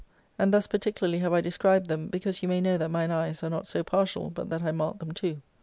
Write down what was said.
And thus particularly have I described them, because you may know that mine e^es are not so partial but that I marked them too.